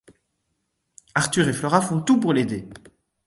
Arthur et Flora font tout pour l'aider.